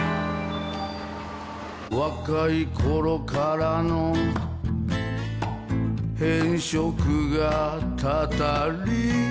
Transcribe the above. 「若い頃からの偏食がたたり」